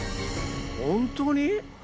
本当に！？